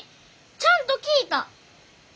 ちゃんと聞いた！